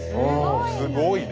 すごいな。